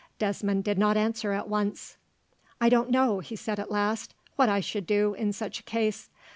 Desmond did not answer at once. "I don't know," he said at last, "what I should do, in such a case.